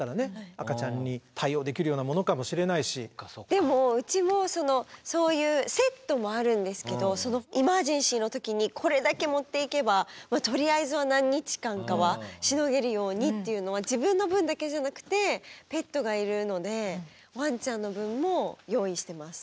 でもうちもそういうセットもあるんですけどエマージェンシーの時にこれだけ持っていけばとりあえずは何日間かはしのげるようにっていうのは自分の分だけじゃなくてペットがいるのでワンちゃんの分も用意してます。